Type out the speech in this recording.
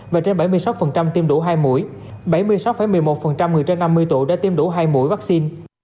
và trên bảy mươi sáu tiêm đủ hai mũi bảy mươi sáu một mươi một người trên năm mươi tuổi đã tiêm đủ hai mũi vaccine